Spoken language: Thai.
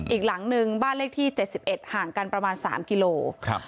อีกหลังหนึ่งบ้านเลขที่เจ็ดสิบเอ็ดห่างกันประมาณสามกิโลกรัม